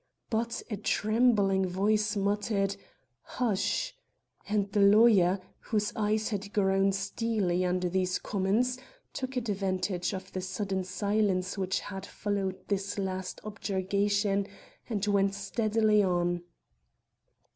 But a trembling voice muttered "Hush!" and the lawyer, whose eye had grown steely under these comments, took advantage of the sudden silence which had followed this last objurgation and went steadily on.